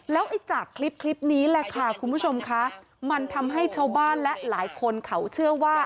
แล้วไอ้จากคลิปนี้แหละค่ะคุณผู้ชมค่ะมันทำให้ชาวบ้านและหลายคนเขาเชื่อว่า